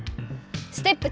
ステップ２